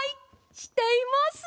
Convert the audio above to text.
しています！